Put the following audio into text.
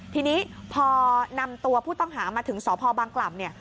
ทีนี้พอนำตัวผู้ต้องหามาถึงสพบางกล่ำเนี่ย